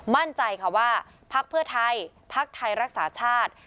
มั่นใจค่ะว่าพักเพื่อไทยพักไทยรักษาชาติ